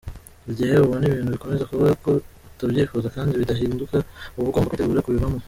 Igihe ubona ibintu bikomeza kuba uko utabyifuza kandi bidahinduka ,uba ugomba kwitegura kubivamo.